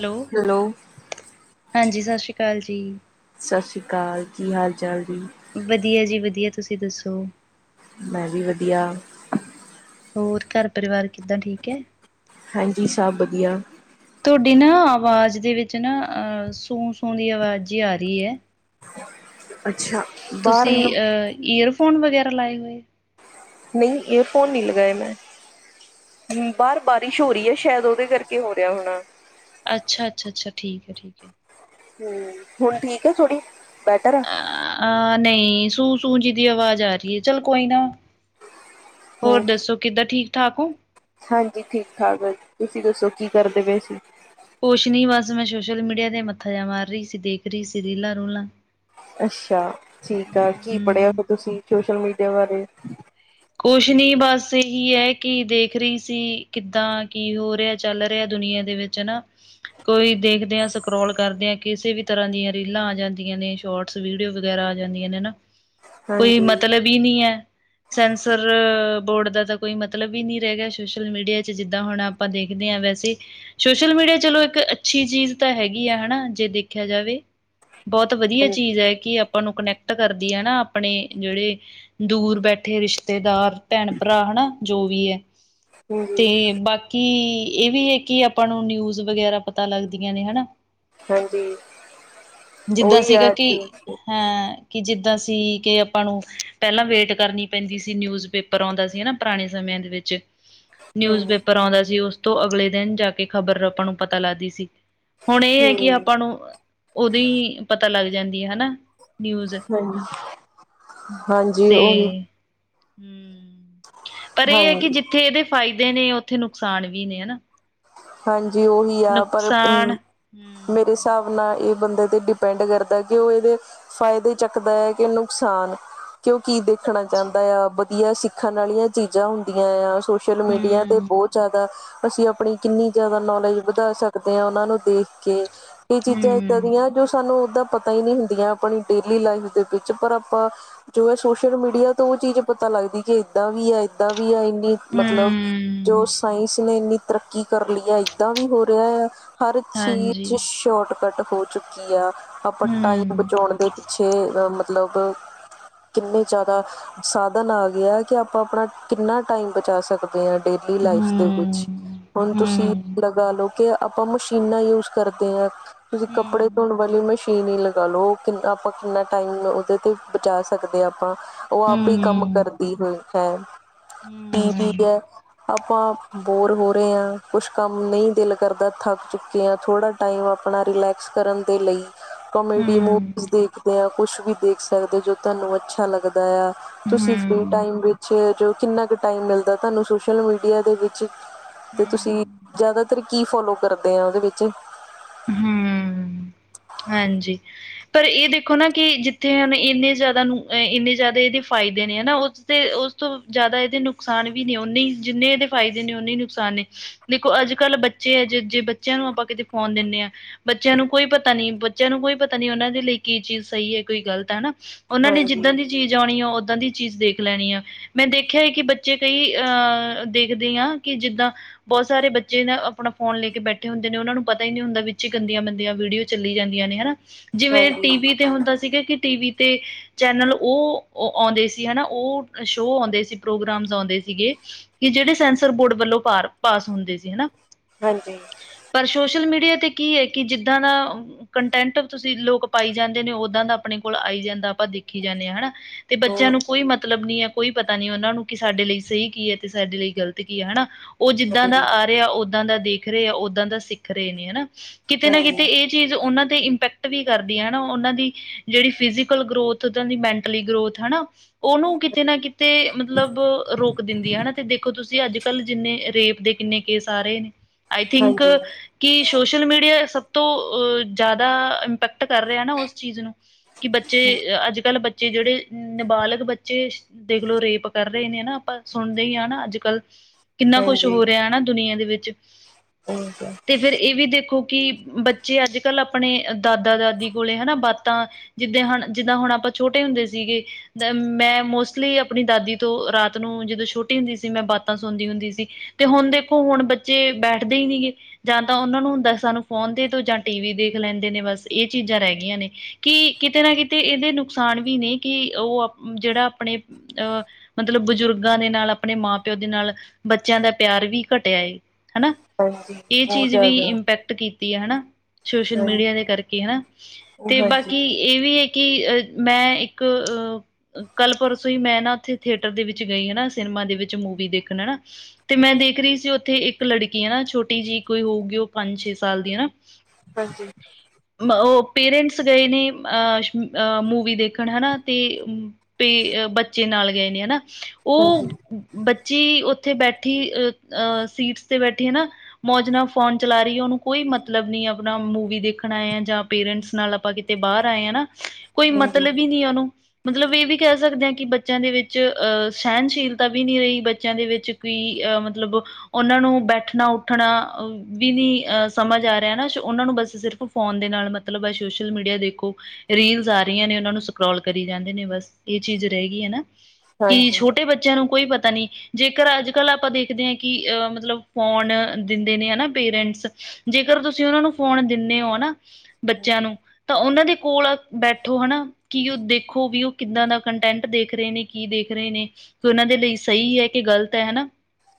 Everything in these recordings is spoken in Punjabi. ਹੈਲੋ! ਹਾਂਜੀ, ਸਤਿ ਸ਼੍ਰੀ ਅਕਾਲ ਜੀ। ਸਤਿ ਸ਼੍ਰੀ ਅਕਾਲ, ਕੀ ਹਾਲ-ਚਾਲ ਜੀ? ਵਧੀਆ ਜੀ, ਵਧੀਆ। ਤੁਸੀਂ ਦੱਸੋ? ਮੈਂ ਵੀ ਵਧੀਆ‌। ਹੋਰ, ਘਰ-ਪਰਿਵਾਰ ਕਿੱਦਾਂ ਠੀਕ ਐ? ਹਾਂਜੀ, ਸਭ ਬਧੀਆ। ਤੁਹਾਡੀ ਨਾ ਆਵਾਜ਼ ਦੇ ਵਿੱਚ ਨਾਂ ਅਹ ਸੂੰ-ਸੂ ਦੀ ਆਵਾਜ਼ ਜੀ ਆ ਰਹੀ ਐ। ਅੱਛਾ। ਬਾਹਰ ਤੁਸੀ, ਨ- ਈਅਰਫੋਨ ਵਗੈਰਾ ਲਾਏ ਹੋਏ? ਨਹੀਂ, ਏਅਰਫੋਨ ਨਹੀਂ ਲਗਾਏ, ਮੈਂ। ਹੁਣ, ਬਾਹਰ ਬਾਰਿਸ਼ ਹੋ ਰਹੀ ਹੈ, ਸ਼ਾਇਦ ਉਹਦੇ ਕਰਕੇ ਹੋ ਰਿਹਾ ਹੋਣਾ। ਅੱਛਾ-ਅੱਛਾ-ਅੱਛਾ ਠੀਕ ਹੈ, ਠੀਕ ਹੈ। ਹੂੰ, ਹੁਣ ਠੀਕ ਹੈ ਥੋੜੀ, ਬੈਟਰ ਆ। ਆਹ ਨਹੀਂ, ਸੂੰ ਸੂੰ ਜੀ ਦੀ ਅਵਾਜ਼ ਆ ਰਹੀ ਹੈ, ਚੱਲ ਕੋਈ ਨਾ। ਹੋਰ ਹਮ ਦੱਸੋ, ਕਿੱਦਾਂ ਠੀਕ-ਠਾਕ ਓ? ਹਾਂਜੀ, ਠੀਕ- ਠਾਕ ਵ--ਤੁਸੀਂ ਦੱਸੋ, ਕੀ ਕਰਦੇ ਪਏ ਸੀ? ਕੋਸ਼ ਨਹੀਂ ਬਸ, ਮੈਂ ਸੋਸ਼ਲ ਮੀਡੀਆ ਤੇ ਮੱਥਾ ਜਾ ਮਾਰ ਰਹੀ ਸੀ, ਦੇਖ ਰਹੀ ਸੀ ਰੀਲਾਂ-ਰੂਲਾਂ। ਅੱਛਾ, ਠੀਕ ਆ। ਕੀ ਪੜ੍ਹਿਆ ਫਿਰ ਤੁਸੀਂ ਸੋਸ਼ਲ ਮੀਡੀਆ ਬਾਰੇ? ਕੋਛ ਨਹੀਂ, ਬਸ ਇਹੀ ਹੈ, ਕਿ ਦੇਖ ਰਹੀ ਸੀ, ਕਿੱਦਾਂ, ਕੀ ਹੋ ਰਿਹਾ। ਚੱਲ ਰਿਹਾ ਦੁਨੀਆਂ ਦੇ ਵਿੱਚ ਹਨਾ। ਕੋਈ ਦੇਖਦੇ ਆਂ, ਸਕਰੋਲ ਕਰਦੇ ਆ, ਕਿਸੇ ਵੀ ਤਰ੍ਹਾਂ ਦੀਆਂ ਰੀਲਾਂ ਆ ਜਾਂਦੀਆਂ ਨੇ, ਸ਼ੌਰਟ। ਵੀਡੀਓ ਵਗੈਰਾ ਆ ਜਾਂਦੀਆਂ ਨੇ ਨਾ, ਕੋਈ ਹਾਂਜੀ ਮਤਲਬ ਹੀ ਨਹੀਂ ਐ। ਸੈਂਸਰ ਬੋਰਡ ਦਾ ਤਾਂ ਕੋਈ ਮਤਲਬ ਹੀ ਨਹੀਂ ਰਹਿ ਗਿਆ, ਸੋਸ਼ਲ ਮੀਡੀਆ'ਚ ਜਿੱਦਾਂ ਹੁਣ ਆਪਾਂ ਦੇਖਦੇ ਹਾਂ, ਵੈਸੇ ਸੋਸ਼ਲ ਮੀਡੀਆ ਚਲੋ ਇੱਕ ਅੱਛੀ ਚੀਜ਼ ਤਾਂ ਹੈਗੀ ਆ, ਹਣਾ, ਜੇ ਦੇਖਿਆ ਜਾਵੇ। ਬਹੁਤ ਵਧੀਆ ਹਾਂਜੀ ਚੀਜ਼ ਐ, ਕਿ ਆਪਾਂ ਨੂੰ ਕਨੈਕਟ ਕਰਦੀ ਹੈ ਨਾ ਆਪਣੇ ਜਿਹੜੇ ਦੂਰ ਬੈ ਇਥੇ ਰਿਸ਼ਤੇਦਾਰ, ਭੈਣ-ਭਰਾ ਹਨਾ ਜੋ ਵੀ ਐ, ਹਾਂਜੀ ਤੇ ਬਾਕੀ ਕਿ ਇਹ ਵੀ ਹੈ ਕਿ ਆਪਾਂ ਨੂੰ ਨਿਊਜ਼ ਵਗੈਰਾ ਪਤਾ ਲੱਗਦੀਆਂ ਨੇ ਹਨਾ ਹਾਂਜੀ, ਜਿੱਦਾਂ ਉਹੀ ਸੀਗਾ ਆ ਕਿ ਹਮ ਹਾਂ ਕਿ ਜਿੱਦਾਂ ਸੀ ਕਿ ਆਪਾਂ ਨੂੰ ਪਹਿਲਾਂ ਵੇਟ ਕਰਨੀ ਪੈਂਦੀ ਸੀ ਨਿਊਜ਼ ਪੇਪਰ ਆਉਂਦਾ ਸੀ ਹਨਾ ਪੁਰਾਣੇ ਸਮਿਆਂ ਦੇ ਵਿੱਚ ਨਿਊਜ਼ ਹਮ ਪੇਪਰ ਆਉਂਦਾ ਸੀ ਉਸ ਤੋਂ ਅਗਲੇ ਦਿਨ ਜਾ ਕੇ ਖ਼ਬਰ ਆਪਾਂ ਨੂੰ ਪਤਾ ਲੱਗਦੀ ਸੀ ਹੁਣ ਇਹ ਹੈ ਕਿ ਆਪਾਂ ਹਮ ਨੂੰ ਉਦੋਂ ਹੀ ਪਤਾ ਲੱਗ ਜਾਂਦੀ ਹੈ ਹਨਾ ਨਿਊਜ਼ ਹਾਂਜੀ ਹਾਂਜੀ ਤੇ ਉਹੀ ਹੂ ਪਰ ਇਹ ਹੈ ਕਿ ਹਾਂਜੀ ਜਿੱਥੇ ਇਹਦੇ ਫਾਇਦੇ ਨੇ ਉੱਥੇ ਨੁਕਸਾਨ ਵੀ ਨੇ ਹਨਾ ਹਾਂਜੀ ਉਹੀ ਆ ਪਰ ਨੁਕਸਾਨ ਮੇਰੇ ਹੂੰ, ਹਿਸਾਬ ਨਾਲ ਇਹ ਬੰਦੇ ਤੇ ਡਿਪੈਂਡ ਕਰਦਾ ਕਿ ਉਹ ਇਹਦੇ ਫਾਇਦੇ ਚੱਕਦਾ ਹੈ ਕਿ ਨੁਕਸਾਨ ਕਿਉਂ ਕੀ ਦੇਖਣਾ ਹਾਂਜੀ ਚਾਹੁੰਦਾ ਆ ਵਧੀਆ ਸਿੱਖਣ ਵਾਲੀਆਂ ਚੀਜ਼ਾਂ ਹੁੰਦੀਆਂ ਆ ਸ਼ੋਸ਼ਲ ਮੀਡੀਆ ਤੇ ਹੂੰ, ਬਹੁਤ ਜ਼ਿਆਦਾ ਅਸੀਂ ਆਪਣੀ ਕਿੰਨੀ ਜ਼ਿਆਦਾ ਨੌਲੇਜ ਵਧਾ ਸਕਦੇ ਹੈ ਉਹਨਾਂ ਨੂੰ ਦੇਖ ਕੇ ਕਈ ਚੀਜ਼ਾਂ ਇੱਦਾਂ ਹੂੰ, ਦੀਆਂ ਜੋ ਸਾਨੂੰ ਉਦਾਂ ਪਤਾ ਹੀ ਨਹੀਂ ਹੁੰਦੀਆਂ ਆਪਣੀ ਡੇਲੀ ਲਾਈਫ ਦੇ ਵਿੱਚ ਪਰ ਆਪਾਂ ਜੋ ਹੈ ਸੋਸ਼ਲ ਮੀਡੀਆ ਤੋਂ ਉਹ ਚੀਜ਼ ਪਤਾ ਲੱਗਦੀ ਕਿ ਏਦਾਂ ਵੀ ਹੈ ਏਦਾਂ ਵੀ ਹੈ। ਮਤਲਬ ਜੋ ਹੂੰ, ਸਾਇੰਸ ਨੇ ਇੰਨੀ ਤਰੱਕੀ ਕਰ ਲਈ ਹੈ ਏਦਾਂ ਵੀ ਹੋ ਰਿਹਾ ਹੈ। ਹਰ ਹਾਂਜੀ ਚੀਜ਼ ਸ਼ੋਰਟਕਟ ਹੋ ਚੁੱਕੀ ਆ ਆਪਾਂ ਟਾਈਮ ਹੂੰ, ਬਚਾਉਣ ਦੇ ਪਿੱਛੇ ਅਹ ਮਤਲਬ ਕਿੰਨੇ ਜ਼ਿਆਦਾ ਸਾਧਨ ਆ ਗਏ ਕਿ ਆਪਾਂ ਆਪਣਾ ਕਿੰਨਾ ਟਾਈਮ ਬਚਾ ਸਕਦੇ ਡੇਲੀ ਲਾਈਫ ਦੇ ਹੂੰ, ਵਿੱਚ ਤੁਸੀਂ ਹੂੰ, ਲਗਾ ਲਓ ਕਿ ਆਪਾਂ ਮਸ਼ੀਨਾਂ ਯੂਜ ਕਰਦੇ ਆ ਤੁਸੀਂ ਕੱਪੜੇ ਹੂੰ, ਧੋਣ ਵਾਲੀ ਮਸ਼ੀਨ ਨਹੀਂ ਲਗਾ ਲਓ ਕਿੰਨਾ ਆਪਾਂ ਕਿੰਨਾ ਟਾਈਮ ਉਹਦੇ 'ਤੇ ਬਚਾ ਸਕਦੇ ਹਾਂ ਆਪਾਂ ਉਹ ਆਪੇ ਕੰਮ ਹੂੰ, ਕਰਦੀ ਹੋਈ ਹੈ ਹੂੰ, ਟੀ ਵੀ ਆਪਾਂ ਬੋਰ ਹੋਰ ਕੁਛ ਕੰਮ ਨਹੀਂ ਦਿਲ ਕਰਦਾ ਥੱਕ ਚੁੱਕੇ ਹਾਂ ਥੋੜਾ ਟਾਈਮ ਆਪਣਾ ਰਿਲੈਕਸ ਕਰਨ ਦੇ ਲਈ ਕੋਮੇਡੀ ਹੂੰ, ਮੂਵੀ ਦੇਖਦੇ ਆ ਕੁਛ ਵੀ ਦੇਖ ਸਕਦੇ ਜੋ ਤੁਹਾਨੂੰ ਅੱਛਾ ਲੱਗਦਾ ਆ ਤੁਸੀਂ ਫ੍ਰਰੀ ਹੂੰ, ਟਾਈਮ ਵਿੱਚ ਜੋ ਕਿੰਨਾ ਟਾਈਮ ਮਿਲਦਾ ਤੁਹਾਨੂੰ ਸੋਸ਼ਲ ਮੀਡੀਆ ਦੇ ਵਿੱਚ ਤੇ ਤੁਸੀਂ ਜ਼ਿਆਦਾਤਰ ਕੀ ਫੋਲੋ ਕਰਦੇ ਆ ਉਹਦੇ ਵਿੱਚ ਹੂੰ, ਹੂੰ ਹਾਂਜੀ ਪਰ ਇਹ ਦੇਖੋ ਨਾ ਕਿ ਜਿੱਥੇ ਹੁਣ ਇੰਨੇ ਜ਼ਿਆਦਾ ਨੂੰ ਇੰਨੇ ਜ਼ਿਆਦਾ ਇਹਦੇ ਫਾਇਦੇ ਨੇ ਹਨਾ ਤੇ ਉਸ ਤੋਂ ਜ਼ਿਆਦਾ ਇਹਦੇ ਨੁਕਸਾਨ ਵੀ ਨੇ ਉਨੇ ਹੀ ਜਿੰਨੇ ਇਹਦੇ ਫਾਇਦੇ ਨੇ ਹੀ ਨੁਕਸਾਨ ਨੇ ਦੇਖੋ ਅੱਜ ਕੱਲ ਬੱਚੇ ਆ ਜੇ ਜੇ ਬੱਚਿਆਂ ਨੂੰ ਆਪਾਂ ਕਿਤੇ ਫੋਨ ਦਿੰਦੇ ਹਾਂ ਬੱਚਿਆਂ ਨੂੰ ਕੋਈ ਪਤਾ ਪਤਾ ਨੀ ਬੱਚਿਆਂ ਨੂੰ ਕੋਈ ਪਤਾ ਨੀ ਉਹਨਾਂ ਦੇ ਲਈ ਕੀ ਚੀਜ਼ ਸਹੀ ਹੈ ਕੋਈ ਗਲਤ ਹੈ ਹਨਾ ਉਹਨਾਂ ਨੇ ਹਾਂਜੀ ਜਿੱਦਾਂ ਦੀ ਚੀਜ਼ ਆਉਣੀ ਆ ਉਦਾਂ ਦੀ ਚੀਜ਼ ਦੇਖ ਲੈਣੀ ਆ ਮੈਂ ਦੇਖਿਆ ਹੈ ਕਿ ਬੱਚੇ ਕਈ ਅਹ ਦੇਖਦੇ ਹਾਂ ਕਿ ਜਿੱਦਾਂ ਬਹੁਤ ਸਾਰੇ ਬੱਚੇ ਨਾ ਆਪਣਾ ਫੋਨ ਲੈ ਕੇ ਬੈਠੇ ਹੁੰਦੇ ਨੇ ਉਹਨਾਂ ਨੂੰ ਪਤਾ ਹੀ ਨਹੀਂ ਹੁੰਦਾ ਵਿੱਚ ਹੀ ਗੰਦੀਆਂ ਬੰਦੀਆਂ ਵੀਡੀਓ ਚੱਲੀ ਜਾਂਦੀਆਂ ਨੇ ਹਨਾ ਜਿਵੇਂ ਹਾਂਜੀ ਟੀ ਵੀ ਤੇ ਹੁੰਦਾ ਸੀਗਾ ਕਿ ਟੀਵੀ ਤੇ ਚੈਨਲ ਉਹ ਆਉਂਦੇ ਸੀ ਹਨਾ ਉਹ ਸ਼ੋਅ ਆਉਂਦੇ ਸੀ ਪ੍ਰੋਗਰਾਮਸ ਆਉਂਦੇ ਸੀਗੇ ਕਿ ਜਿਹੜੇ ਸੈਂਸਰ ਬੋਰਡ ਵੱਲੋਂ ਪਾਰ ਪਾਸ ਹੁੰਦੇ ਸੀ ਹਨਾ ਹਾਂਜੀ ਪਰ ਸੋਸ਼ਲ ਮੀਡੀਆ ਤੇ ਕੀ ਹੈ ਕਿ ਜਿੱਦਾਂ ਦਾ ਕੰਟੈਂਟ ਤੁਸੀਂ ਲੋਕ ਪਾਈ ਜਾਂਦੇ ਨੇ ਉਦਾਂ ਦਾ ਆਪਣੇ ਕੋਲ ਆਈ ਜਾਂਦਾ ਆਪਾਂ ਦੇਖੀ ਜਾਂਦੇ ਹਾਂ ਹਨਾ ਤੇ ਬੱਚਿਆਂ ਹੋਰ ਨੂੰ ਕੋਈ ਮਤਲ ਮਤਲਬ ਨੀ ਹੈ ਕੋਈ ਪਤਾ ਨੀ ਉਹਨਾਂ ਨੂੰ ਕਿ ਸਾਡੇ ਲਈ ਸਹੀ ਕੀ ਹੈ ਤੇ ਸਾਡੇ ਲਈ ਗ਼ਲਤ ਕੀ ਹੈ ਹਨਾ ਉਹ ਜਿੱਦਾਂ ਦਾ ਆ ਰਿਹਾ ਉਦਾਂ ਦਾ ਦੇਖ ਰਹੇ ਆ ਉਦਾਂ ਦਾ ਸਿੱਖ ਰਹੇ ਨੇ ਹਨਾ ਕਿਤੇ ਨਾ ਹਾਂਜੀ ਕਿਤੇ ਇਹ ਚੀਜ਼ ਉਹਨਾਂ ਤੇ ਇੰਪੈਕਟ ਵੀ ਕਰਦੀ ਹੈ ਹਨਾ ਉਹਨਾਂ ਦੀ ਜਿਹੜੀ ਫਿਜ਼ਕਲ ਗਰੋਥ ਦੀ ਮੈਂਟਲੀ ਗਰੋਥ ਹਨਾ ਉਹਨੂੰ ਕਿਤੇ ਨਾ ਕਿਤੇ ਮਤਲਬ ਰੋਕ ਦਿੰਦੀ ਹੈ ਹਨਾ ਤੇ ਦੇਖੋ ਤੁਸੀਂ ਅੱਜ ਕਲ ਜਿੰਨੇ ਰੇਪ ਦੇ ਕਿੰਨੇ ਕੇਸ ਆ ਰਹੇ ਨੇ ਆਈ ਥਿੰਕ ਹਾਂਜੀ ਕਿ ਸੋਸ਼ਲ ਮੀਡੀਆ ਸਭ ਤੋਂ ਜ਼ਿਆਦਾ ਐਕਟ ਕਰ ਰਿਹਾ ਨਾ ਉਸ ਚੀਜ਼ ਨੂੰ ਕਿ ਬੱਚੇ ਅੱਜ ਕੱਲ੍ਹ ਬੱ ਜਿਹੜੇ ਨਾਬਾਲਗ ਬੱਚੇ ਦੇਖਲੋ ਰੇਪ ਕਰ ਰਹੇ ਨੇ ਨਾ ਆਪਾਂ ਸੁਣਦੇ ਹੀ ਹਾਂ ਨਾ ਅੱਜ ਕੱਲ ਕਿੰਨਾ ਕੁਛ ਹਾਂਜੀ ਹੋ ਰਿਹਾ ਨਾ ਦੁਨੀਆਂ ਦੇ ਵਿੱਚ ਠੀਕ ਆ। ਤੇ ਫਿਰ ਇਹ ਵੀ ਦੇਖੋ ਕਿ ਬੱਚੇ ਅੱਜ ਕੱਲ੍ਹ ਆਪਣੇ ਦਾਦਾ ਦਾਦੀ ਕੋਲੇ ਹਨਾ ਬਾਤਾਂ ਜਿੱਦਾਂ ਹੁਣ- ਜਿੱਦਾਂ ਹੁਣ ਆਪਾਂ ਛੋਟੇ ਹੁੰਦੇ ਸੀਗੇ। ਅ ਮੈਂ ਮੋਸਟਲੀ ਆਪਣੀ ਦਾਦੀ ਤੋਂ ਰਾਤ ਨੂੰ ਜਦੋਂ ਛੋਟੀ ਹੁੰਦੀ ਸੀ ਮੈਂ ਬਾਤਾਂ ਸੁਣਦੀ ਹੁੰਦੀ ਸੀ। ਤੇ ਹੁਣ ਦੇਖੋ ਹੁਣ ਬੱਚੇ ਬੈਠਦੇ ਹੀ ਨਹੀਂ ਗ ਜਾਂ ਤਾਂ ਉਹਨਾਂ ਨੂੰ ਹੁੰਦਾ ਸਾਨੂੰ ਫੋਨ ਦੇ ਦੂਜਾ ਟੀ ਵੀ ਦੇਖ ਲੈਂਦੇ ਨੇ ਬਸ ਇਹ ਚੀਜ਼ਾਂ ਰਹਿ ਗਈਆਂ ਨੇ। ਕਿ ਕਿਤੇ ਨਾ ਕਿਤੇ ਇਹਦੇ ਨੁਕਸਾਨ ਵੀ ਨੇ ਕਿ ਉਹ ਜਿਹੜਾ ਆਪਣੇ ਅਹ ਮਤਲਬ ਬਜ਼ੁਰਗ ਬੁਜਰਗਾਂ ਦੇ ਨਾਲ ਆਪਣੇ ਮਾਂ ਪਿਓ ਦੇ ਨਾਲ ਬੱਚਿਆਂ ਦਾ ਪਿਆਰ ਵੀ ਘਟਿਆ ਏ। ਹਨਾ ਇਹ ਬਹੁਤ ਚੀਜ਼ ਵੀ ਜ਼ਿਆਦਾ ਇੰਪੈਕਟ ਕੀ ਤੀ ਹਨਾ ਸੋਸ਼ਲ ਮੀਡੀਆ ਹਾਂਜੀ ਦੇ ਕਰਕੇ ਹਨਾ ਤੇ ਹਾਂਜੀ ਬਾਕੀ ਇਹ ਵੀ ਹੈ ਕਿ ਅ ਮੈਂ ਇੱਕ ਅ ਕੱਲ ਪਰਸੋਂ ਹੀ ਮੈਂ ਨਾ ਉੱਥੇ ਥੀਏਟਰ ਦੇ ਵਿੱਚ ਗਈ ਹਨਾ ਸਿਨੇਮਾ ਦੇ ਵਿੱਚ ਮੂਵੀ ਦੇਖਣ ਹਨਾ। ਤੇ ਮੈਂ ਦੇਖ ਰਹੀ ਸੀ ਉੱਥੇ ਇੱਕ ਲੜਕੀ ਹੈ ਨਾ ਛੋਟੀ ਜਿਹੀ ਕੋਈ ਹੋਊਗੀ ਉਹ ਪੰਜ ਛੇ ਸਾਲ ਦੀ ਹਨਾ। ਹਾਂਜੀ ਉਹ ਪੇਰੈਂਟਸ ਗਏ ਨੇ ਅ ਮੂਵੀ ਦੇਖਣ ਹਨਾ ਤੇ ਪ ਅਹ ਬੱਚੇ ਨਾਲ ਗਏ ਨੇ ਹਨਾ ਹਾਂਜੀ ਉਹ ਬੱਚੀ ਉੱਥੇ ਬੈਠੀ ਅ ਅਹ ਸੀਟਸ ਤੇ ਬੈਠੀ ਹਨਾ। ਮੌਜ ਨਾਲ ਫੋਨ ਚਲਾ ਰਹੀ ਹੈ ਉਹਨੂੰ ਕੋਈ ਮਤਲਬ ਨਹੀਂ ਆ। ਆਪਣਾ ਮੂਵੀ ਦੇਖਣਾ ਆਏ ਆ ਜਾਂ ਪੇਰੈਂਟਸ ਨਾਲ ਆਪਾਂ ਕਿਤੇ ਬਾਹਰ ਆਏ ਹਾਂ ਨਾ। ਕੋਈ ਹਾਂਜੀ ਮਤਲਬ ਹੀ ਨਹੀਂ ਉਹਨੂੰ ਮਤਲਬ ਇਹ ਵੀ ਕਹਿ ਸਕਦੇ ਹਾਂ ਕਿ ਬੱਚਿਆਂ ਦੇ ਵਿੱਚ ਅਹ ਸਹਿਣਸ਼ੀਲਤਾ ਵੀ ਨਹੀਂ ਰਹੀ ਬੱਚਿਆਂ ਦੇ ਵਿੱਚ ਕੋਈ ਅਹ ਮਤਲਬ ਉਹਨਾਂ ਨੂੰ ਬੈਠਣਾ ਉੱਠਣਾ ਵੀ ਨੀ ਅਹ ਸਮਝ ਆ ਰਿਹਾ ਨਾ ਸੋ ਉਹਨਾਂ ਨੂੰ ਬਸ ਸਿਰਫ ਫੋਨ ਦੇ ਨਾਲ ਮਤਲਬ ਸੋਸ਼ਲ ਮੀਡੀਆ ਦੇਖੋ। ਰੀਲਸ ਆ ਰਹੀਆਂ ਨੇ ਉਹਨਾਂ ਨੂੰ ਸਕਰੋਲ ਕਰੀ ਜਾਂਦੇ ਨੇ ਬਸ ਇਹ ਚੀਜ਼ ਰਹਿ ਗਈ ਹੈ ਨਾ। ਕਿ ਹਾਂਜੀ ਛੋਟੇ ਬੱਚਿਆਂ ਨੂੰ ਕੋਈ ਪਤਾ ਨਹੀਂ। ਜੇਕਰ ਅੱਜ ਕੱਲ੍ਹ ਆਪਾਂ ਦੇਖਦੇ ਹਾਂ ਕਿ ਅ ਮਤਲਬ ਫੋਨ ਦਿੰਦੇ ਨੇ ਹਨਾ ਪੇਰੈਂਟਸ ਜੇਕਰ ਤੁਸੀ ਉਹਨਾਂ ਨੂੰ ਫੋਨ ਦਿੰਦੇ ਹੋ ਨਾ ਬੱਚਿਆਂ ਨੂੰ ਤਾਂ ਉਹਨਾਂ ਦੇ ਕੋਲ ਬੈਠੋ ਹਨਾ। ਕਿ ਉਹ ਦੇਖੋ ਵੀ ਉਹ ਕਿੱਦਾਂ ਦਾ ਕੰਟੈਂਟ ਦੇਖ ਰਹੇ ਨੇ ਕੀ ਦੇਖ ਰਹੇ ਨੇ। ਕਿ ਉਹਨਾਂ ਦੇ ਲਈ ਸਹੀ ਹੈ ਕਿ ਗ਼ਲਤ ਹੈ ਹਨਾ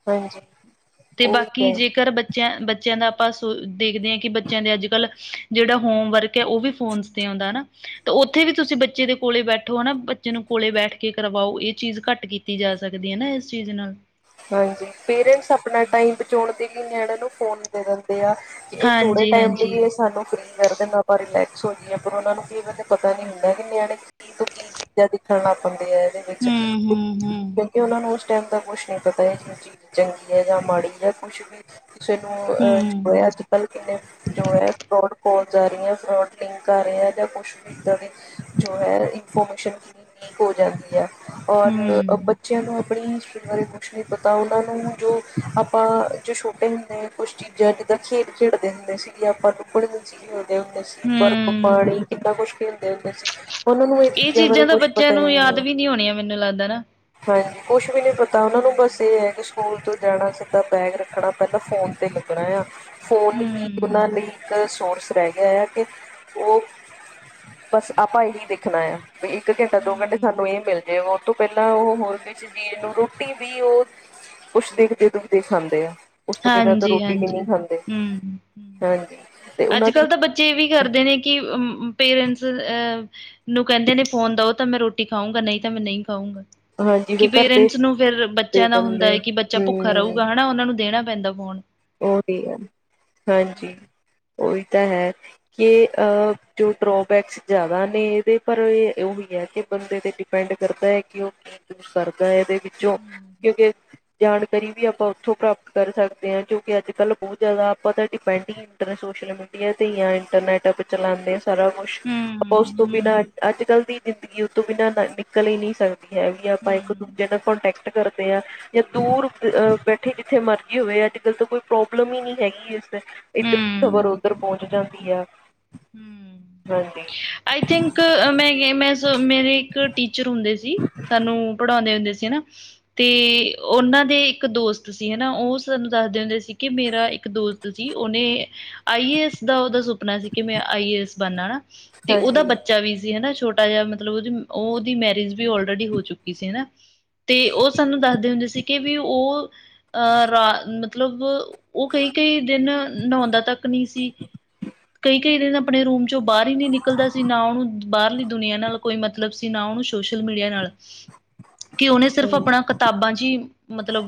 ਹਾਂਜੀ ਤੇ ਉਹੀ ਬਾਕੀ ਹੈ ਜੇਕਰ ਬੱ ਬੱਚਿਆਂ- ਬੱਚਿਆਂ ਦਾ ਆਪਾਂ ਸੋ ਦੇਖਦੇ ਹਾਂ ਕਿ ਬੱਚਿਆਂ ਦੇ ਅੱਜ ਕੱਲ੍ਹ ਜਿਹੜਾ ਹੋਮ ਵਰਕ ਹੈ ਉਹ ਵੀ ਫੋਨ ਤੇ ਆਉਂਦਾ ਨਾ। ਤਾਂ ਉੱਥੇ ਵੀ ਤੁਸੀਂ ਬੱਚੇ ਦੇ ਕੋਲੇ ਬੈਠੋ ਹਨਾ ਬੱਚੇ ਨੂੰ ਕੋਲੇ ਬੈਠ ਕੇ ਕਰਵਾਓ ਇਹ ਚੀਜ਼ ਘੱਟ ਗਈ। ਕੀਤੀ ਜਾ ਸਕਦੀ ਹੈ ਨਾ ਇਸ ਚੀਜ਼ ਨਾਲ ਹਾਂਜੀ ਪੇਰੈਂਟਸ ਆਪਣਾ ਟਾਈਮ ਬਚਾਉਣ ਦੇ ਲਈ ਨਿਆਣੇ ਨੂੰ ਫੋਨ ਦੇ ਦਿੰਦੇ ਆ। ਇਹ ਥੋੜੇ ਹਾਂਜੀ ਟਾਈਮ ਲਈ ਹਾਂਜੀ ਇਹ ਸਾਨੂੰ ਫਰੀ ਕਰ ਦੇ ਨਾ। ਰਿਲੈਕਸ ਹੋ ਗਈ ਏ ਪਰ ਉਹਨਾਂ ਨੂੰ ਕਈ ਵਾਰੇ ਪਤਾ ਨੀ ਹੁੰਦਾ ਕਿ ਨਿਆਣੇ ਕੀ ਤੋਂ ਕੀ ਚੀ ਜਾਂ ਦੇਖਣ ਲੱਗ ਪੇਂਦੇ ਹੈ ਇਹਦੇ ਵਿੱਚ ਹੂੰ ਹੂੰ ਹੂੰ ਕਿਉਂਕਿ ਉਹਨਾਂ ਨੂੰ ਉਸ ਟਾਈਮ ਦਾ ਕੁਛ ਨਹੀ। ਪਤਾ ਹੈ ਜ ਚੀਜ਼ ਚੰਗੀ ਹੈ ਜਾਂ ਮਾੜੀ ਹੈ ਕੁਛ ਵੀ ਕਿਸੇ ਨੂੰ ਅ ਜੋ ਹੂੰ ਹੈ ਅੱਜ ਕੱਲ ਕਿੰਨੇ ਜੋ ਹੈ ਫਰੋਡ ਕੋਲ ਜਾ ਰਹੀ ਹੈ ਫਰੋਡ ਲਿੰਕ ਆ ਰਹੇ ਹੈ ਜਾਂ ਕੁਛ ਵੀ ਇੱਦਾਂ ਦੀ ਜੋ ਹੈ ਇਨਫੋਰਮੇਸ਼ਨ ਲੀਕ ਹੋ ਜਾਂਦੀ ਹੈ ਔਰ ਹੂੰ ਬੱਚਿਆਂ ਨੂੰ ਆਪਣੀ ਹਿਸਟਰੀ ਬਾਰੇ ਕੁਛ ਨਹੀਂ ਪਤਾ ਉਹਨਾਂ ਨੂੰ, ਜੋ ਆਪਾਂ ਜੋ ਛੋਟੇ ਹੁੰਦੇ ਕੁਸ਼ਟੀ ਚੀਜਾਂ ਜਿੱਦਾਂ ਖੇਡ ਖੇਡਦੇ ਹੁੰਦੇ ਸੀਗੇ, ਆਪਾਂ ਟੁੱਪੜ ਵਿੱਚ ਖੇਡਦੇ ਹੁੰਦੇ ਸੀ। ਬਰ ਕੁੁਪੜ, ਹੂੰ ਕਿੰਨਾ ਕੁਛ ਖੇਲਦੇ ਹੁੰਦੇ ਸੀ। ਉਹਨਾਂ ਨੂੰ ਇਹ ਚੀਜ਼ਾਂ ਬਾਰੇ ਤਾਂ ਕੁਛ ਬੱਚਿਆਂ ਪਤਾ ਹੀ ਨੂੰ ਨਹੀਂ ਯਾਦ ਹੈ ਵੀ ਹੋਣੀਆਂ ਮੈਨੂੰ ਲੱਗਦਾ ਨਾ ਹਾਂਜੀ, ਕੁੱਛ ਵੀ ਨੀ ਪਤਾ ਉਹਨਾਂ ਨੂੰ। ਬਸ ਹੂੰ ਇਹ ਹੈ, ਕਿ ਸਕੂਲ ਤੋਂ ਜਾਣਾ ਸਿੱਧਾ ਬੈਗ ਰੱਖਣਾ, ਪਹਿਲਾਂ ਫੋਨ ਤੇ ਲੱਗਣਾ ਆ ਫੋਨ ਹੀ ਉਹਨਾਂ ਹੂੰ ਨੇ ਇੱਕ ਸੋਰਸ ਰਹਿ ਗਿਆ ਆ ਕਿ ਉਹ, ਬਸ ਆਪਾਂ ਇਹੀ ਦੇਖਣਾ ਆਏ ਆਂ। ਵੀ ਇੱਕ ਘੰਟਾ ਦੋ ਘੰਟੇ ਹੂੰ ਸਾਨੂੰ ਇਹ ਮਿਲਦੇ, ਉਹ ਤੋਂ ਪਹਿਲਾਂ ਉਹ ਹੋਰ ਕਿਸੇ ਚੀਜ਼ ਨੂੰ ਰੋਟੀ ਵੀ ਉਹ, ਕੁੱਛ ਦਿਖਦੇ ਦੁਖਦੇ ਖਾਂਦੇ ਆ ਉਸ ਤੋਂ ਬਿਨਾਂ ਤਾਂ ਹਾਂਜੀ ਰੋਟੀ ਵੀ ਹਾਂਜੀ ਨਹੀਂ ਖਾਂਦੇ, ਹਾਂਜੀ ਤੇ ਅੱਜ ਉਹਨਾਂ ਦੀ ਕੱਲ੍ਹ ਤਾਂ ਬੱਚੇ ਇਹ ਵੀ ਕਰਦੇ ਨੇ, ਕਿ ਪੇਰੈਂਟਸ ਅਹ ਨੂੰ ਕਹਿੰਦੇ ਨੇ ਫੋਨ ਦਓ ਤਾਂ ਮੈਂ ਰੋਟੀ ਖਾਊਂਗਾ, ਨਹੀਂ ਤਾਂ ਮੈਂ ਨਹੀਂ ਖਾਊਂਗਾ। ਹਾਂਜੀ ਕਿ ਵੀ ਘਰ ਦੇ ਪੇਰੈਂਟਸ ਨੂੰ ਫੇਰ ਦੇ ਬੱਚਿਆਂ ਦਾ ਦਿੰਦੇ ਹੁੰਦਾ ਹੈ ਆ ਕਿ ਬੱਚਾ ਭੁੱਖਾ ਹਮ ਰਹੂਗਾ ਹੈਨਾ, ਉਹਨਾਂ ਨੂੰ ਦੇਣਾ ਪੈਂਦਾ ਫੋਨ। ਔ ਡੀ ਔ, ਹਾਂਜੀ ਹੂੰ, ਉਹੀ ਤਾਂ ਹੈ। ਏ ਆ, ਜੋ ਡ੍ਰੋਬੈਕਸ ਜ਼ਿਆਦਾ ਨੇ ਇਹਦੇ ਪਰ ਇਹ ਉਹੀ ਹੈ, ਕਿ ਬੰਦੇ ਤੇ ਡਿਪੈਂਡ ਕਰਦਾ ਹੈ, ਕਿ ਉਹ ਕੀ ਸਰਦਾ ਹੈ ਦੇ ਵਿੱਚੋਂ, ਹੂੰ, ਕਿਉਂਕਿ ਜਾਣਕਾਰੀ ਵੀ ਆਪਾਂ ਉੱਥੋਂ ਪ੍ਰਾਪਤ ਕਰ ਸਕਦੇ ਹਾਂ, ਜੋ ਅੱਜ ਕੱਲ੍ਹ ਬਹੁਤ ਜ਼ਿਆਦਾ, ਆਪਾਂ ਤਾਂ ਡਿਪੈਂਡ ਹੀ ਇੰਟਰ ਸੋਸ਼ਲ ਮੀਡੀਆ ਤੇ ਜਾਂ ਇੰਟਰਨੈਟ ਚਲਾਉਂਦੇ ਆ ਸਾਰਾ ਕੁੱਛ, ਆਪਾਂ ਉਸ ਤੋਂ ਬਿਨਾਂ ਹੂੰ, ਅੱਜ ਕੱਲ ਦੀ ਜਿੰ ਵੀ ਉਹ ਤੋਂ ਬਿਨਾਂ ਨਿਕਲ ਹੀ ਨਹੀਂ ਸਕਦੀ, ਹੈ ਵੀ ਆਪਾਂ ਇੱਕ ਹੂੰ, ਦੂਜੇ ਨਾਲ ਕੋਂਟੈਕਟ ਕਰਦੇ ਆ, ਜਾਂ ਦੂਰ ਬੈਠੇ ਜਿੱਥੇ ਮਰਜ਼ੀ ਹੋਏ ਆ ਫਿਰ ਤਾਂ ਕੋਈ ਪ੍ਰੋਬਲਮ ਹੀ ਨਹੀਂ ਹੈਗੀ ਇਸ ਤੋ, ਇੱਧਰ ਦੀ ਖ਼ਬਰ ਹੂੰ, ਉਧਰ ਪਹੁੰਚ ਜਾਂਦੀ ਹੈ। ਹੂੰ। ਹਾਂਜੀ ਆਈ ਥਿੰਕ ਮੈਂ, ਮੈਂ ਮੇਰੀ ਇੱਕ ਟੀਚਰ ਹੁੰਦੇ ਸੀ। ਸਾਨੂੰ ਪੜ੍ਹਾਉਂਦੇ ਹੁੰਦੇ ਸੀ ਨਾ ਤੇ ਉਹਨਾਂ ਦੇ ਇੱਕ ਦੋਸਤ ਸੀ ਹੈਨਾ, ਉਹ ਸਾਨੂੰ ਦੱਸਦੇ ਹੁੰਦੇ ਸੀ ਕਿ, ਮੇਰਾ ਇੱਕ ਦੋਸਤ ਸੀ, ਔਨੇ ਆਈ ਏ ਐਸ ਦਾ ਉਹਦਾ ਸੁਪਨਾ ਸੀ, ਕਿ ਮੈਂ ਆਈ ਏ ਐਸ ਬਣਨਾ ਨਾ ਤੇ ਉਹਦਾ ਹਾਂਜੀ ਬੱਚਾ ਵੀ ਸੀ, ਹੈਨਾ ਛੋਟਾ ਹਾਂ, ਮਤਲਬ ਉਹਦੀ ਉਹਦੀ ਮੈਰਿਜ ਵੀ ਔਲਰੇਡੀ ਹੋ ਚੁੱਕੀ ਸੀ ਨਾ। ਤੇ ਉਹ ਸਾਨੂੰ ਦੱਸਦੇ ਹੁੰਦੇ ਸੀ, ਕਿ ਵੀ ਉਹ ਅਹ ਰਾ ਮਤਲਬ ਉਹ ਕਈ ਕਈ ਦਿਨ ਨਉਂਦਾ ਤੱਕ ਨਹੀਂ ਸੀ, ਕਈ ਕਈ ਦਿਨ ਆਪਣੇ ਰੂਮ ਚੋਂ ਬਾਹਰ ਨੀ ਨਿਕਲ ਨਿਕਲਦਾ ਸੀ, ਨਾ ਉਹਨੂੰ ਬਾਹਰਲੀ ਦੁਨੀਆਂ ਨਾਲ ਕੋਈ ਮਤਲਬ ਸੀ, ਨਾ ਉਹਨੂੰ ਸੋਸ਼ਲ ਮੀਡੀਆ ਨਾਲ। ਕਿ ਉਹਨੇ ਸਿਰਫ ਆਪਣਾ ਕਿਤਾਬਾਂ ਚ ਹੀ ਮਤਲਬ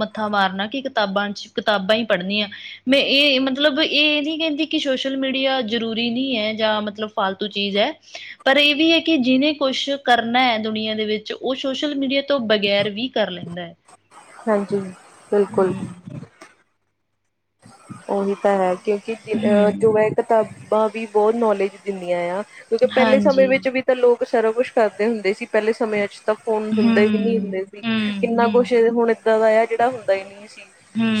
ਮੱਥਾ ਮਾਰਨਾ, ਕਿ ਕਿਤਾਬਾਂ ਚ, ਕਿਤਾਬਾਂ ਹੀ ਪੜ੍ਹਨੀਆਂ ਮੈਂ ਇਹ ਮਤਲਬ ਇਹ ਇਹ ਨੀ ਕਹਿੰਦੀ, ਕਿ ਸੋਸ਼ਲ ਮੀਡੀਆ ਜ਼ਰੂਰੀ ਨਹੀਂ ਹੈ, ਜਾਂ ਮਤਲਬ ਫਾਲਤੂ ਚੀਜ਼ ਹੈ। ਪਰ ਇਹ ਵੀ ਹੈ, ਕਿ ਜਿਹਨੇ ਕੁਛ ਕਰਨਾ ਹੈ, ਦੁਨੀਆਂ ਦੇ ਵਿੱਚ, ਉਹ ਸੋਸ਼ਲ ਮੀਡੀਆ ਤੋਂ ਬਗੈਰ ਵੀ ਕਰ ਲੈਂਦਾ ਹੈ। ਹਾਂਜੀ ਬਿਲਕੁਲ ਹੂੰ, ਉਹੀ ਤਾਂ ਹੈ, ਕਿਉਂਕਿਹ ਹੂੰ, ਜੋ ਹੈ ਕਿਤਾਬਾਂ ਵੀ ਬਹੁਤ ਨੌਲੇਜ ਦਿੰਦੀਆਂ ਆ ਕਿਉਂਕਿ ਪਹਿਲੇ ਸਮਯ ਹਾਂਜੀ। ਵਿੱਚ ਵੀ ਤਾਂ ਲੋਕ ਸਾਰਾ ਕੁਛ ਕਰਦੇ ਹੁੰਦੇ ਸੀ, ਪਹਿਲੇ ਸਮੇਆਂ ਚ। ਤਾਂ ਫੋਨ ਹੁੰਦੇ ਵੀ ਨੀ ਹੂੰ, ਹੁੰਦੇ ਸੀ, ਹੂੰ, ਕਿੰਨਾ ਕੁਛ ਹੂੰ, ਹੁਣ ਏਦਾਂ ਦਾ ਆ, ਜਿਹੜਾ ਹੁੰਦਾ ਹੀ ਨਹੀਂ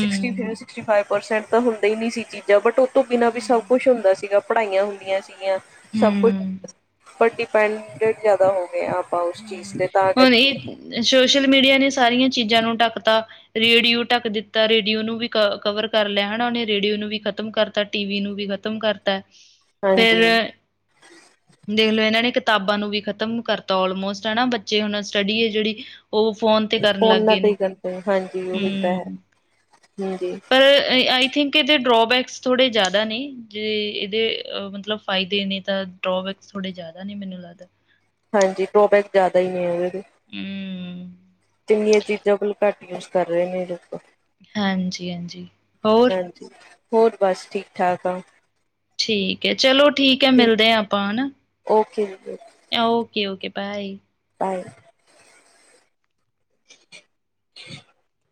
sixty four, sixty five percent ਤਾਂ ਹੁੰਦਾ ਹੀ ਨੀ ਸੀ ਚੀਜ਼ਾਂ ਬਟ ਤੋਂ ਬਿਨਾਂ ਵੀ ਸਭ ਹੂੰ। ਕੁੱਛ ਹੁੰਦਾ ਸੀਗਾ, ਪੜ੍ਹਾਈਆਂ ਹੁੰਦੀਆਂ ਸੀਗੀਆਂ, ਸਭ ਕੁਛ ਹੂੰ, ਹੁੰ। ਪਰ ਡਿਪੈਂਡਡ ਜ਼ਿਆਦਾ ਹੋਗੇ ਆਪ ਹੂ, ਹੁਣ ਇਹ ਸੋਸ਼ਲ ਮੀਡੀਆ ਨੇ ਸਾਰੀਆਂ ਚੀਜ਼ਾਂ ਨੂੰ ਢੱਕ ਤਾ। ਰੇਡੀਓ ਢੱਕ ਦਿੱਤਾ, ਰੇਡੀਓ ਨੂੰ ਵੀ ਕ ਕਵਰ ਕਰ ਲਿਆ, ਹਨਾ। ਉਹਨੇ ਰੇਡੀਓ ਨੂੰ ਵੀ ਖ਼ਤਮ ਕਰ ਦਿੱਤਾ ਤਾਂ ਟੀ ਵੀ ਨੂੰ ਵੀ ਖ਼ਤਮ ਕਰ ਫਿਰ ਹਾਂਜੀ ਦੇਖ ਲਓ, ਇਹਨਾਂ ਨੇ ਕਿਤਾਬਾਂ ਨੂੰ ਵੀ ਖ਼ਤਮ ਕਰਤਾ ਆਲਮੋਸਟ ਹੈ ਨਾ ਬੱਚੇ ਹੁਣ ਸਟੱਡੀ ਹੈ ਜਿਹੜੀ ਉਹ ਫੋਨ ਤੇ ਕਰਨ ਲੱਗ ਫੋਨਾਂ ਗਏ ਤੇ ਨੇ ਹੀ ਕਰਦੇ ਹਾਂਜੀ, ਉਹੀ ਤਾਂ ਹੈ ਹੂੰ ਹਾਂਜੀ ਪਰ ਆਈ ਥਿੰਕ ਇਹਦੇ ਡਰੋਬੈਕਸ ਥੋੜੇ ਜਿਆਦਾ ਨੇ, ਜ ਇਹਦੇ ਮਤਲਬ ਫਦੇ ਨੇ ਤਾਂ ਡਬੈਕ ਥੋੜੇ ਜਿਆਦਾ ਨੇ ਮੈਨੂੰ ਲੱਗਦਾ। ਹਾਂਜੀ ਡਰੋਬੈਕ ਜ਼ਿਆਦਾ ਹੀ ਨਹੀਂ ਹੈ ਉਹਦੇ ਹੂੰ, ਜਿੰਨੀਆਂ ਚੀਜ਼ਾਂ ਕੋਲ ਘੱਟ ਯੂਜ ਕਰ ਰਹੇ ਨੇ ਲੋਕ ਹਾਂਜੀ, ਹਾਂਜੀ ਹੋਰ ਹਾਂਜੀ ਹੋਰ ਬਸ ਠੀਕ- ਠਾਕ ਆ। ਠੀਕ ਹੈ, ਚਲੋ ਠੀਕ ਹੈ, ਮਿਲਦੇ ਹਾਂ ਆਪਾਂ ਹਨਾ। ਓਕੇ ਜੀ ਓਕੇ, ਓਕੇ ਬਾਏ। ਬਾਏ [unintelligible]